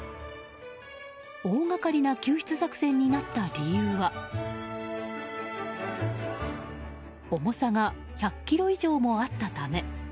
大がかりな救出作戦になった理由は重さが１００ｋｇ以上もあったため。